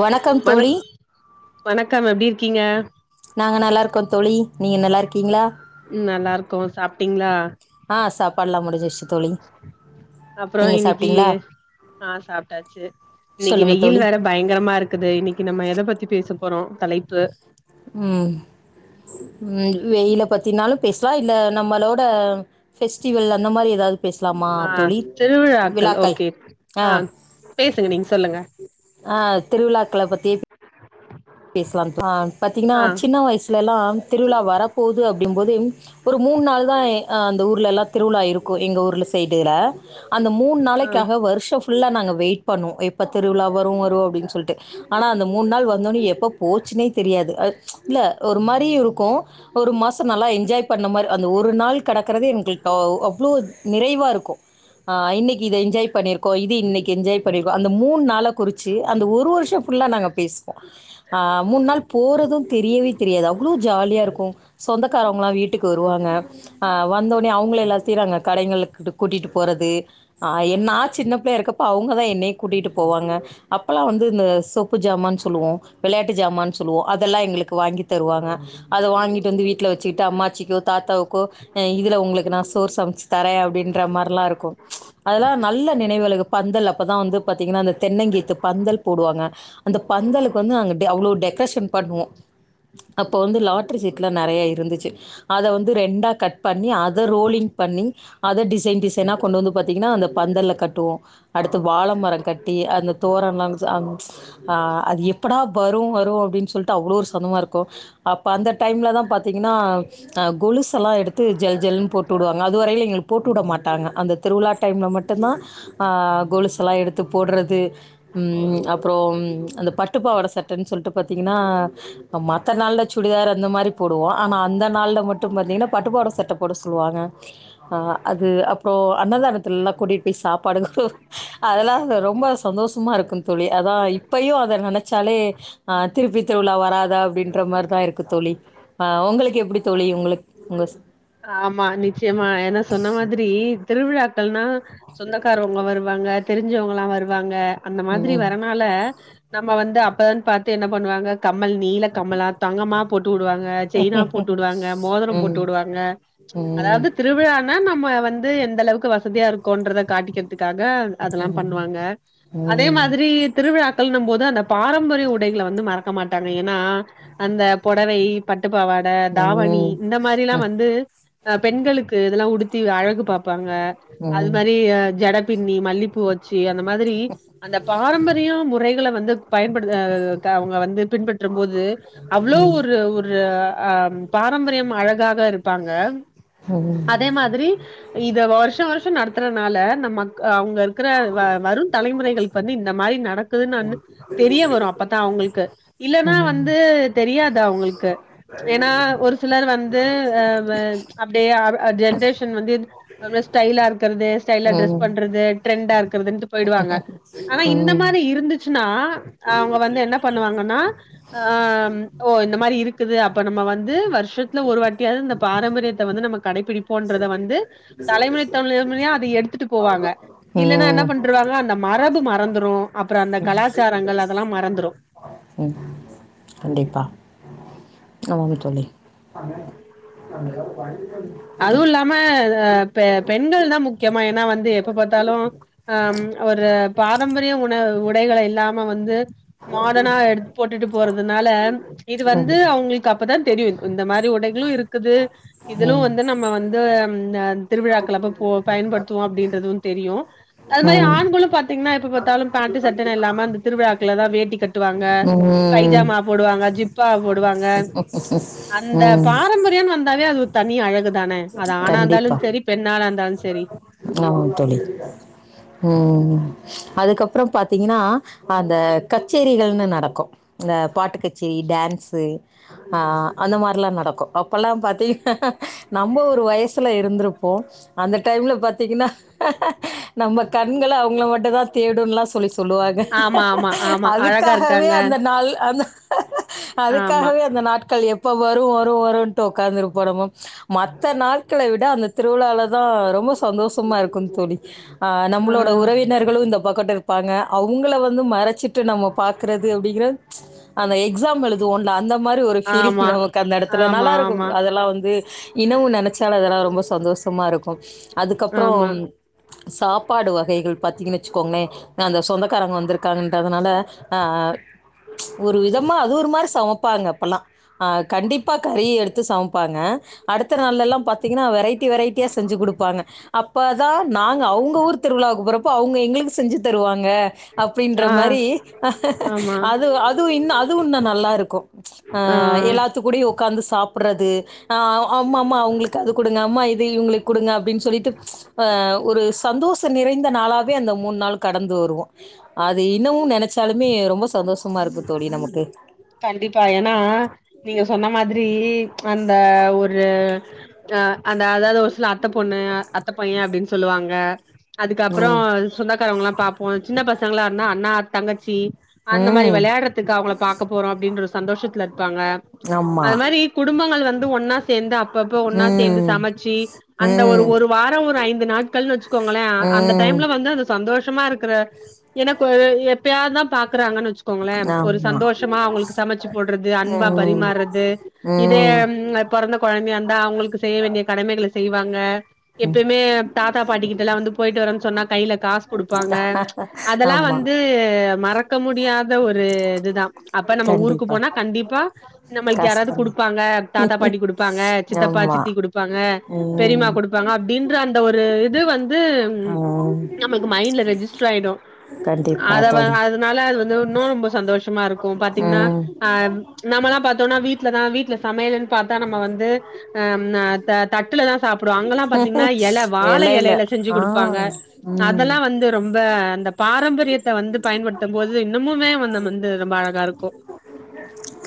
வணக்கம் வணக் தோழி வணக்கம் எப்டி இருக்கீங்க நாங்க நல்லா இருக்கோ தோழி நீங்க நல்லா இருக்கீங்ளா உம் நல்லா இருக்கோ சாப்ட்டீங்களா ஆஹ் சாப்பாட்ல்லா முடுசிஸ்ஸு அப்புறோ இன்னிக்கி ஆஹ் சாப்ட்டாச்சு இன்னைக்கி சொல்லுங்கள் வெயில் தோழி வேற பயங்கரமா இருக்குது இன்னைக்கி நம்ம எத பத்தி பேசுப் போரோ உம் வெயில் வெயில பத்தினாலும் பேஸ்லா இல்ல நம்மளோட ஃபெஸ்டிவல் அந்த மாரி எதாது பேஸ்லாமா ஆ தோழி திருவிழாக்கள் விழாக்கள் ஓகே ஆ ஆஹ் பேசுங்க நீங்க சொல்லுங்க ஆஹ் திருவுழாக்கள பத்தி பேஸ்லாம் தோ பாத்தீங்குனா ஆ சின்ன வய்ஸ்லலா திருவுழா வரப்போது அப்டிங்ம் போது ஒரு மூண் நாள் தா ஆஹ் அந்த ஊர்லெல்லா திருவுழா இருக்கு எங்க ஊர்ல சைடுல அந்த மூண் ஆ நாளைக்காக வருஷோ ஃபுல்லா நாங்க வெய்ட் பண்ணோ எப் ப்ப திருவுழா வரு வரு அப்டின்னு சொல்ட்டு ஆனா அந்த மூண் நாள் வந்தோனே எப் ச்சு இல்ல ஒரு மாரி இருக்கு ஒரு மாச நல்லா என்ஜாய் பண்ண மாரு அந்த ஒரு நாள் கடக்கறதே எங்களுக்கு அவ்ளோ நிறைவா இருக்கு ஆஹ் இன்னைக்கு இத என்ஜாய் பண்ணிர்க்கோ இது இன்னைக்கு என்ஜாய் பண்ணிர்க்கோ அந்த மூண் நாளப் குறிச்சு அந்த ஒரு வர்ஷோ ஃபுல்லா நாங்க பேஸ்வோ ஆஹ் மூண் நாள் போறது தெரியவே தெரியாது அவ்ளோ ஜாலியா இருக்கு சொந்தக்காரவ்ங்லா வீட்டுக்கு வருவாங்க ஆஹ் வந்த ஒனே அவுங்கள எல்லா செய்றாங்க கடைங்களுக்கிட்ட கூட்டிட்டு போறது ஆஹ் என் நா சின்ன ப்ளேயா இருக்கப்போ அவுங்கதா என்னய் கூட்டிட்டு போவாங்க அப்பலா வந்து இந்த சொப்புஜாமான் சொல்லுவோ வெளயாட்டு ஜாமான் சொல்லுவோ அதெல்லா எங்குளுக்கு வாங்கி தருவாங்க அத வாங்கிட் வந்து வீட்ல வச்சுக்ட்டு அம்மாச்சிக்கோ தாத்தா கோ அஹ் இதுல உங்ளுக்கு நா சோர் சம்ச்சு தரே அப்டின்ற மார்லா இருக்கு ச்சு அதுலா நல்ல நினைவுகளு பந்தல் அப்பதா வந்து பத் தீங்கனா அந்த தென்னங்கீத்து பந்தல் போடுவாங்க அந்த பந்தலு அங்க பே அவ்ளோ டெக்ரேஷன் பண்வோ அப்போ வந்து லாட்ரி சீட்லா நெறைய இருந்துச்சு அத வந்து ரெண்டா கட் பண்ணி அத ரோலிங் பண்ணி அத டிசைன் டிசைனா கொண்டு வந்து பாத்தீங்கன்னா அந்த பந்தல்ல கட்டுவோம் அடுத் து வாழ மரம் கட்டி அந்த தோரம்லா அம் ச்சு அ அது எப் எப்படா வரும் வரும் அப்படின்னு சொல்லிட்டு அவ்ளோ ஒரு சந்தமா இருக்கும் அப்போ அந்த டைம்ல தான் பாத்தீங்கன்னா கொலுசுல்லா எடுத்து ஜல் ஜல்லன்னு போட்டு விடுவாங்க அதுவரயும் எங்களுக்கு போட்டுவிட மாட்டாங்க அந்த திருவிழா டைம்ல மட்டும்தான் அஹ் கொலுசு எல்லா எடுத்து போடறது ம் அப்பறம் அந்த பட் பட்டுப்பாவடை சட்டைன்னு சொல்லிட்டு பாத்தீங்கன்னா மத்த நாள்ல சுடிதார் அந்த மாரி போடுவோம் ஆனா அந்த நாள்ல மட்டும் பாத்தீங்கன்னா பட்டுப்பாவட சட்டை போட சொல்லுவாங்க அஹ் அது அப்றோ அன்னதானத்தல எல்லா கூட்டிட்டு போய் சாப்பாடு அதெல்லா ரொம்ப சந்தோஷமா இருக் க்கும் தோழி அதா இப்பயு அத நெனச் ச்சாலே அஹ் திருப்பி திருவிழா வராதா அப்படின்ற மாரிதா இருக்கு தோழி ஆஹ் உங்களுக்கு எப்படி தோழி உங்களுக் உங்க ஆமா நிச்சயமா என்ன சொன்ன மாதிரி திருவிழா க்கள்னா சொந்தக்காரவங்க வருவாங்க தெரிஞ்சவங்கல்லா வரு வாங்க அந்த மாதிரி ம். வரனால நம்ம வந்து அப்பதன் பாத்து என்ன பண்ணுவாங்க கம்மல் நீள கம்மலா தங்கமா போட்டு வுடுவாங்க செயினா போட்டு வுடுவாங்க மோதரம் ம். போட்டு வுடுவாங்க ம். அதாவது திருவிழான் னா நம்ம வந்து எந்த அளவுக்கு வசதியா இருக்கோன்றத காட்டிக்கிறதுக்கா க அதெல்லா பண்ணுவாங்க ம். அதே ம். மாதிரி திருவிழாக்கள்னும்போது து அந்த பாரம்பரிய உடைகள வந்து மறக்க மாட்டாங்க ஏனா அந்த பொடவை பட் ட்டு பாவாட தாவணி ம். இந்த மாரிலா ம். வந்து அ பெண்களுக்கு இதெல்லா உடுத் த்தி அழகு பார்ப்பாங்க அது ம். மாரி ஜட பின்னி மல்லிப்பூ வச் சி அந்த மாதிரி அந்த பாரம்பரிய முறைகள வந் து பயன்படுத் தவங்க வந்து பின்பற்றும் போது அவ்ளோ ஒரு ஒரு ஆம் பாரம்பரியம் அழகாதா இருப்பாங் க அதே மாதிரி இத வரு ஷொ வருஷொ நடத்துறனால நம்மக் அவங்க இருக்குற வ வரும் தலைமுறைகளுக்கு வந்து இந்த மாரி நடக்குதுன்னு வந் தெரிய வரு அப்பதா அவங்களுக்கு இல்லன்னா வந்து ம். தெரியாது அவங்களுக்கு ஏனா ஒரு சிலர் வந்து அஹ் வேன் அப்படியே அவ் அ ஜென்ரேஷன் வந்து ஒரு மாரி ஸ்டைலா இருக்கறது ஸ்டைலா டிரெஸ் ம். பண்றது ட்ரெண்டா இருக்கறதுன்டு போயிடுவாங்க ஆனா இந்த ம். மாரி இருந்துச் சுன்னா அவங்க வந்து என்ன பண்ணுவாங்கன்னா அம் ஓ இந்த மாரி இருக்குது அப்ப நம்ம வந்து வருஷத்துல ஒரு வாட்டியாவ்து இந்த பாரம்பரியத்த வந்து நாம கடைபிடிப்போன்றத வந்து தலைமுறை தலைமுறையா அத எடுத்துட்டு போவாங்க இல்லனா என்ன ம். பண்ட்ருவாங்க அந்த மரபு மறந்துரு அப்புற அந்த கலாச்சார கண்டிப்பா ஆமாங்க தோழி அதுவும் இல்லாம பெ பெண்கள் தா முக்கியமா ஏன்னா வந்து எப்ப பாத்தாலு அ ஒரு பாரம்பரிய உணவு கடைகளே இல்லாம வந்து மாடர்னா எடுத்து போட்டுட்டு போறதுனால இது ம். வந்து அவங்களுக்கு அப்பதா தெரியு இந்த மாரி உடைகளு இருக்குது இதிலு ம். வந்து நம்ம வந்து திருவிழாக்கள் அப்ப போ பயன்படுவோ அப்டின்றதும் தெரியு அது மாரி ம். ஆண்களும் பாத்தீங்ன்னா எப் த்தாலும் பாண்ட்டு சட்டன்னு இல்லாம அந்த திருவிழாக்கள்ள தா வேட்டி கட் ட்டுவாங்க ம். பைஜாமா போடுவாங்க ஜிப் பா போடுவாங் க அந்த ம். பாரம்பரியம்னு வந் தாவே அது ஒரு தனி அழகு தானே அது ஆணாருந்தாலு சரி பெண்ணாருந்தாலு சரி சேரி ஆமா தோழி உம் அதுக்கப்பறம் பாத்தீங்னா அந்த கச்சேரிகள்னு நடக்கும் இந்த பாட்டு கச்சேரி டான்ஸ்ஸு ஆ அந்த மாரிலா நடக்கும் அப்பல்லாம் பாத்தீங்கன்னா நம்ம ஒரு வயசுல இருந்திருப்போம் அந்த டைம்ல பாத் திங்கனா நம்ம கண்கள அவங்கள மட்டுதா தேடும்லா சொல்லிச் சொல்லுவாங்க ஆமா ஆமா ஆமா அழகா அதுக்காகவே இருக்காங்க அந்த நாள் அ ஆமா அதுக்காகவே அந்த நாட்கள் எப்ப ப்ப வரும் வரும் வரும்ன்ட்டு உக்காந்துருப்போ நம்ம மத்த நாட்கள விட அந்த திருவிழால தா ரொம்ப சந்தோஷமா இருக்கும் தோழி ஆ நம்மளோட உறவினர்களு இந்த பக்கட்டுருப்பாங்க அவங்கள வந்து மறச்சி மட்டு நம்ம பாக்குறது அப்டிங்கறாங் அந்த எக்ஸாம் எழுதுவோல்ல அந்த மாரி ஒரு ஃபீலிங் ஆமா நமக்கு அந்ததெடத்துல ஆமா நல்லாருக்கும் ஆமா அதெல்லா வந்து இன்னமு நெனச்சாலே அதெல்லாம் ரொம்ப சந்தோஷமாருக்கும் ஆமா அதுக்கப்றம் சாப்பாடு வகைகள் பாத்தீங்கன்னு வச்சுக்கோங்ளே அந்த சொந்தக்காரங்க வந்திருக்காங்கன்றதுனால அஹ் ஆ ஒரு விதமா அது ஒரு மாரி சமப்பாங்க அப்பல்லா ஆஹ் கண்டிப்பா கறி எடுத்து சமைப்பாங்க அடுத்த நாள்ல எல்லாம் பாத்தீங்கன்னா வெரைட்டி வெரைட்டியா செஞ்சு குடுப்பாங்க அப்பதா நாங்க அவங்க ஊர் திருவிழாவுக்கு போறப்போ அவங்க எங்களுக்கு செஞ்சு தருவாங்க க அப்டின்ற ஆ மாரி ஆமா அது அது இன்னும் நல்லா இருக்கும் ஆ எல்லாத்து கூடயு உட்காந்து சாப்புட்றது ஆ அம்மா அம்மா அவங்ளுக்கு அது கொடுங்க அம்மா இ இவங்களுக்கு கொடுங்க அப்படின்னு ஆ ஒரு சந்தோஷ நிறைந்த நாளாவே அந்த மூணு நாள் கடந்து வருவோ அது இன்னமு நெனச்சாலுமே ரொம்ப சந்தோஷ ம்மா இருக்கு தோழி நமக்கு கண்டிப்பா ஏனா நீங்க சொன்ன மாதிரி அந்த ஒரு ஆ அந்த அதாவது ஒரு சில அத்த பொண்ணு அத்த பையன அப்டின் சொல்லுவாங்க அதுக்கப்ற ம். சொந்தக்காரவங்லா பாப்போ சின்ன பசங்களாருந்தா அண்ணா தங்கச்சி அந்த மாரி ம். வெளயாட்றத்துக்கு அவங்கள பா அப்டின்ற ஒரு சந்தோஷத்துல இருப்பாங்க ஆமா. அது மாரி குடும்ப [unintelligible] வந்து ஒன்னா சேந்து அப்பப்ப ஒன்னா சேந்து ம். சமைச்சு அந்த ஒரு ம். ஒரு வாரொ ஒரு ஐந்து நாட்கள் வச்சுக்கோங்களே அந்த ம். டைம்ல வந்து அந்த சந்தோஷ ஷமாருக்குற எனக்கு எப்பயா தா பாக்குறாங்கனு வச் சுக்கோங்களே ஒரு ஆமா. சந்தோஷ அவங்களுக்கு சமைச்சு போடுறது அன்பா ம். பரிமார்றது இதே ம். பொறந்த கொழந்தையா இருந்தா அவங்களுக்கு செய்ய வேண்டிய கடமைகள செய்வாங்க எப்பியுமே தாத்தா பாட்டி கிட்டலா வந்து போயிட்டு வரேன் சொன்னா கைல காஸ் குடுப்பாங்க அதெல்லா ஆமா. வந்து மறக்க முடியாத ஒரு அதுதா அப்ப நம்ம ஊருக்கு கண்டிப்பா. போனா கண்டிப்பா நம்மளுக்கு யாராது கஷ்டம். குடுப்பாங்க தாத்தா பாட்டி குடுப்பாங்க சித்தப்பா ஆமா சித்தி குடுப்பாங்க பெரிமா ம் குடுப்பாங்க அப்டின்ற அந்த ஒரு து வந் து ம் நமக்கு மைண்ட்ல ரெஜிஸ்டர் ஆயிடு கண்டிப்பா அத தோழி அதனால அது வந்து இன்னு ரொம்ப சந்தோஷ கு பாத்தீங்னா ம் ஆ நமலா பாத்த தோனா வீட்ல தா வீட்ல சமையல்ன் பாத்தா நம்ம வந்து ம் ஆ தட்டுலதா [unintelligible] சாப்டோ அங்கலா பாத்தீங்னா எல வாழை எலையில எலைல செஞ்சு ஆ குடுப்பாங்க ம் அதெல்லா வந்து ரொம்ப அந்த பாரம்பரியத் த வந்து பயன்படுத்த போது இன்னமுமே வந்து [unintelligible] எல்லாருக்கு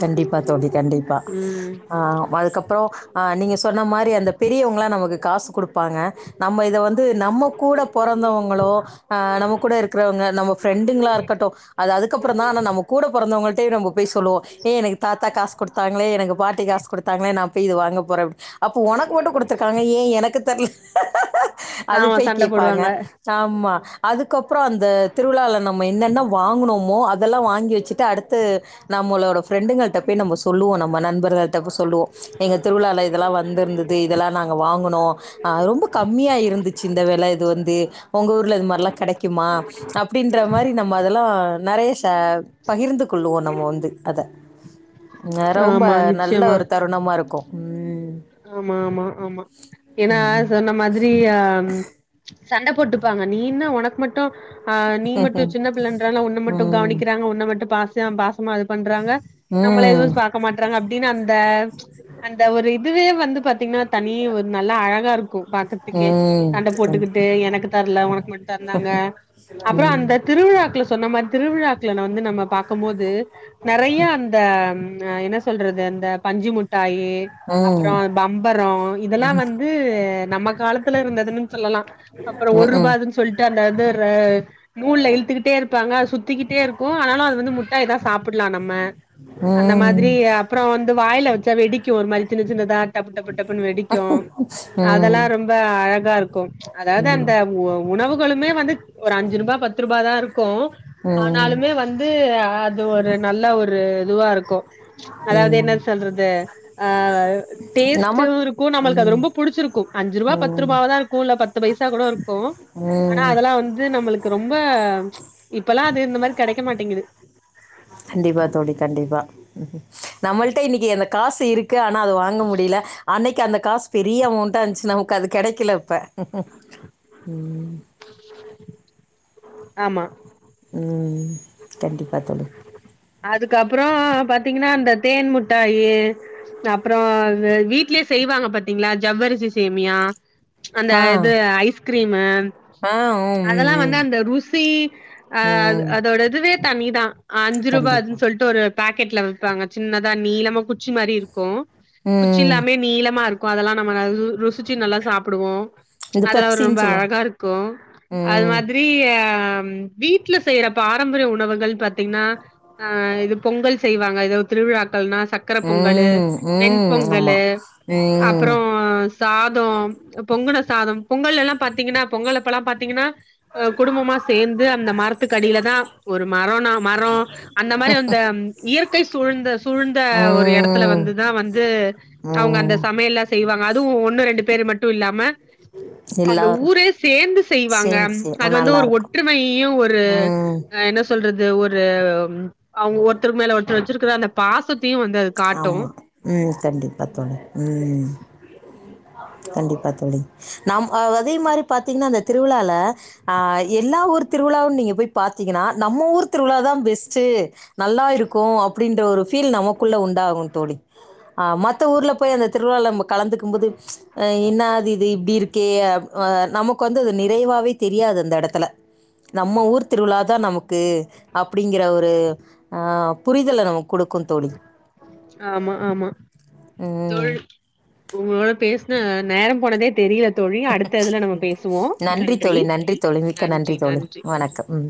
கண்டிப்பா தோழி கண்டிப்பா ஆ அதுக்கப்ற ஆ நீங்க சொன்ன மாரி அந்த பெரியவங்லா நமக்கு காசு குடு பாங்க நம்ம இத வந்து நம்ம கூட பொறந்தவங்ளோ ஆ நம்ம கூட இருக்றவங்க நம்ம ஃபிரெண்டுங்ளா இருக்கட்டு ஆ அதுக்கப்ற தா ஆனா நம்ம கூட பொறந்தவங்க கி டே நம்ப போய் சொல்லுவோ ஏ எனக்கு தாத்தா காசு கொடுத்தாங்களே எனக்கு பாட்டி காசு கொடுத்தாங்களே நா போய் இது வாங்க போற அப்போ உனக்கு மட்டு கொடுத்துருக்காங்க ஏ எனக்கு தரல ஆஹ அது ஆமா போய் சண்ட கேப்பாங்க போடுவாங்க ஆமா அதுக்கப்புறோ அந்த திருவிழாலனம் நம்ம என்னன்ன வாங்குனோம் மோ அதெல்லா வாங்கி வச்சுட்டு அடுத்து நம்மளோட பிரரெண்டுங்கள்டிட்டப்பேய் நம்ம சொல்லுவோ நம்ம நண்பர்கள் ட்ட போ சொல்லுவோ எங்க திருவிழாவில இதெல்லா வந்திருந்தது இதெல்லா நாங்க வாங்கினோ ரொம்ப கம்மியா இருந்துச்சு இந்த வெல இது வந்து உங்க ஊர்ல இது மாதிரிலா கெடைக்குமா அப்படின்ற மாரி நம்ம அதெல்லா நறைய சே பகிர்ந்து கொள்ளுவோ நம்ம வந்து அத ரொம்ப ஆமா நல்ல நிச்சயமா ஒரு தருணமா இருக்கு ம் ஆமா ஆமா ஆமா ஏன்னா சொன்ன மாதிரி ஆ சண்டை போட்டுப்பாங்க நீன்ன ஒனக்கு மட்டு ஆ நீ மட்டு சின்ன பிள்ளேன்றனால உன்ன மட்டு ம். கவனிக்கிறாங்க உன்ன மட்டு பாசோ [unintelligible] பாசமா இது பண்றாங்க நம்மள ம். எதுவு பாக்க மாட்டறாங்க அப்பிடின்னு அந்த அந்த ஒரு யே வந்து பாத்தீங்கன்னா தனி ஒரு நல்ல அழகா இருக்கும் பாக்கத்துக்கே ம் சண்ட கண் போட்டுக்கிட்டு எனக்கு தரல உனக்கு மட்டுந்தாங்க அப்புறோ அந்த திருவிழாக்குல சொன்ன மாரி திருவிழாக்கல வந்து நம்ம பாக்கும் போது நெறைய அந்த ஆ என்ன சொல்றது அந்த பஞ்சு முட்டாயி அப்புறோ ம் பம்பரோ இதெல்லா வந்து நம்ம காலத்துல இருந்ததுன்னு சொல்லலா அப்புறோ ஒரு ம்ஹூம் ரூபாதுன்னு சொல்லிட்டு அந்த இது நூலுல இழுத்துக்கிட்டே இருப்பாங்க அது சுத்திக்கிட்டே இருக்கு ஆனாலும் அது வந்து முட்டாய்தா சாப்பிடலா நம்ம அந்த ம் மாதிரி ம் அப்புறோ வந்து வாயில வச்சா வெடிக்கு ஒரு மாதிரி சின்னசின்னதா டப்பு டப்பு டப்புனு வெடிக்கு அதெல்லா ரொம்ப அழகா இருக்கு அதாவது அந்த உணவுகளுமே வந்து ஒரு அஞ்சு ரூபா பத்து ரூபா தா இருக்கு ம் ஆனாலுமே வந்து அது ஒரு நல்ல ஒரு இதுவா இருக்கு அதாவது என்ன ம் சொல்றது ஆஹ் நமக் டேஸ்டும் இருக்கும் நம்மளுக்கு அது ம் ரொம்ப புடிச்சிருக்கும் அஞ்சு ரூபா் பத்து ம் ரூபாதான் இருக்கும் இல்ல பத்து பைசா கூட இருக்கும் ஆனா ம் அதெல்லாம் வந்து நம்மளுக்கு ரொம்ப [unintelligible] இப்பல்லாம் அது இந்த மாதிரி கிடைக்க மாட்டேங்குது ம் ம் நம்மள்ட இன்னைக்கு எனக் காசு இருக் கு ஆனா அது வாங்க முடியல அன்னைக் கு அந்த காச பெரிய அமௌண்டா இருந்துச்சு நமக்கு அது கிடைக்கலப்ப ம் ஆமா உம் கண்டிப்பா தோழி அதுக்கப்புறம் பாத்தீங்கன்னா இந்த தேன் முட்டாயி அப்புறம் வீட்லயே செய்வாங்க பாத்தீங்களா ஜவ்வரிசி சேமியா அந்த ஆ இது ஐஸ் கிரீமு ஆ ம் அதெல்லாம் ம் ம் வந்து அந்த ருசி அஹ் ம் அதோட இதுவே தனிதான் அ ஞ்சு ரூபா கண்டிப்பா அன்னு சொல்லிட்டு ஒரு பாக்கெட்ல விப்பாங்க சின்னதா நீளமா குச்சி மாரி இருக்கும் குச்சி ம் இல்லாமே நீளமா இருக் கு அதெல்லாம் நம்ம ருசிச்சு நல்லா சாப்டுவோம் இந்த அதா ஒரு ரொம்ப பெப்சின்னு சொல்லுவாங்க அழகா இருக்கும் அது ம் மாதிரி ஹ் வீட்டுல செய்யற பாரம்பரிய உணவுகள் பாத்தீங்கன்னா ஆஹ் இது பொங்கல் செய்வாங்க ஏதோ திருவிழா க்கள்னா சக்கர பொங்கல்லு ம் வெண் ம் ஆமா பொங்கல்லு ம் அப்புறம் சாதம் பொங்கன சாதம் பொங்கல்லா பாத்தீங்கன்னா பொங்கல் அப்ப எல்லா பாத்தீங்கன்னா அஹ் குடும்பமா சேர்ந்து அந்த மரத்துக்கடியிலதான் ஒரு மரோனா மரம் அந்த மாதிரி அந்த இயற்கை சூழ்ந்த சூழ்ந்த ஒரு இடத்துல ம் வந்துதான் வந்து அவங்க அந்த ம் சமையல்லாம் செய்வாங்க அதுவும் ஒன்னும் ரெண்டு பேர் மட் டும் இல்லாம அந்த எல்லாரு ஊரே சேர்ந்து செய்வாங்க சேந்து சே அது வந்து ஒரு நல்லாருக்கு ஒற்றுமையும் ஒரு ம் ஹ என்ன சொல்றது ஒரு அ அவங்க ஒருத்தருக்கு மேல ஒருத்தர் வச்சிருக்கற அந்த பாச ஆமா உம் கண்டிப்பா தோழி உம் கண்டிப்பா தோழி நாம் அதே மாதிரி பாத்தீங்கன்னா அந்த திருவிழால அ எல்லா ஊர் திருவிழாவும் நீங்க போய் பாத்தீங்கன்னா நம்ம ஊர் திருவிழா தான் பெஸ்ட்டு நல்லா இருக்கும் அப்படின்ற ஒரு ஃபீல் நம்ம க்குள்ள உண்டாகும் தோழி அஹ் மத்த ஊர்ல போய் அந்த திருவிழால நம்ம கலந்துக்கும் போது அஹ் என்ன அது இது இப்படி இருக்கே அஹ் நமக்கு வந்து அது நிறைவாவே தெரியாது அந்த இடத்துல நம்ம ஊர் திருவிழாதான் நமக்கு அப்படிங்கிற ஒரு அஹ் புரிதல நமக்கு கொடுக்கும் தோழி ஆமா ஆமா ம். தோழி உங்களோட பேசின நேரம் போனதே தெரியாது நன்றி தோழி நன்றி தோழி மிக்க நன்றி தோழி வணக்கம் உம்